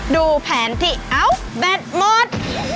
ดูแผนที่เอ้าแบตหมด